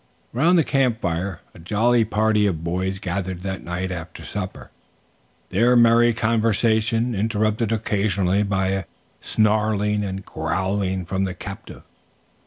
Around the camp fire a jolly party of boys gathered that night after supper, their merry conversation interrupted occasionally by a snarling and growling from the captive.